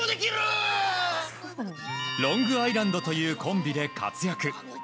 ロングアイランドというコンビで活躍。